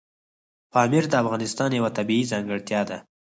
پامیر د افغانستان یوه طبیعي ځانګړتیا ده.